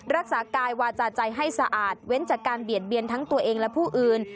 รักษากายวาจาใจให้สะอาดเว้นจากการเบียดเบียนทั้งตัวเองและผู้อื่น